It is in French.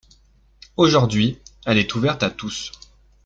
Aujourd'hui, elle est ouverte à tous.